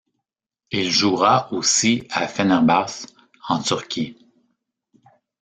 Il jouera aussi à Fenerbahçe en Turquie.